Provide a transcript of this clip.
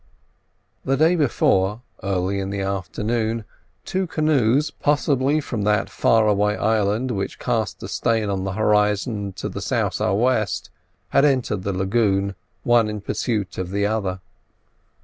The day before, early in the afternoon, two canoes, possibly from that far away island which cast a stain on the horizon to the sou' sou' west, had entered the lagoon, one in pursuit of the other.